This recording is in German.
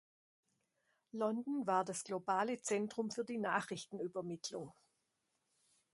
London war das globale Zentrum für die Nachrichtenübermittlung.